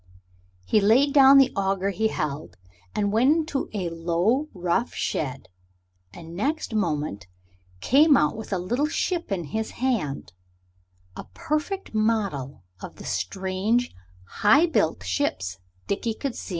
He laid down the auger he held and went into a low, rough shed, and next moment came out with a little ship in his hand a perfect model of the strange high built ships Dickie could see on the river.